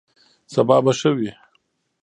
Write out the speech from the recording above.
سبا به ښه وي.